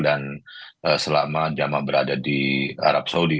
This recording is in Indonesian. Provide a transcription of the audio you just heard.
dan selama jemaah berada di arab saudi